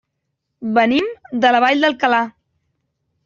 Venim de la Vall d'Alcalà.